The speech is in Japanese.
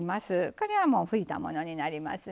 これはもう拭いたものになりますね。